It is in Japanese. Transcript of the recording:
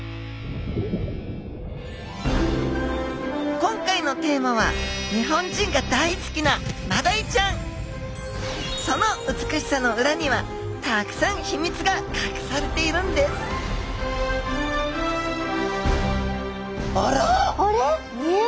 今回のテーマはその美しさの裏にはたくさん秘密がかくされているんですあら！